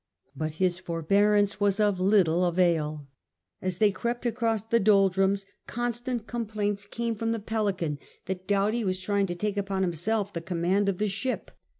But his forbearance was of little avail. As they crept across the Doldrums, constant complaints came from the Pelican that Doughty was trjdng to take upon himself the command of the ship.